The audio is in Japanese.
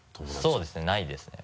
そうですねないですね。